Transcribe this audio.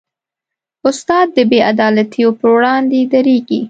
استاد د بېعدالتیو پر وړاندې دریږي.